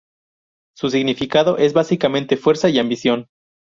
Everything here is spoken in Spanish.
Su significado es, básicamente, fuerza y ambición.